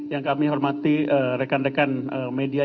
yang kami hormati rekan rekan media